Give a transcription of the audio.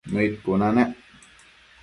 Nëid cuna nec